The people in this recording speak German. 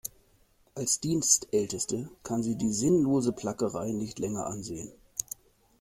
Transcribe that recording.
Als Dienstälteste kann sie die sinnlose Plackerei nicht länger ansehen.